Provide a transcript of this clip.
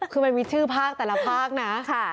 คือมันมีชื่อภาคแต่ละภาคนะ